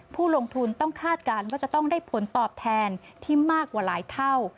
ผู้ลงทุนต้องคาดการณ์ว่าจะต้องได้ผลตอบแทนที่มากกว่าหลายเท่า